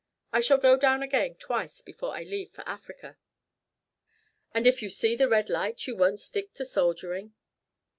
I shall go down again twice before I leave for Africa." "And if you see the red light you won't stick to soldiering?"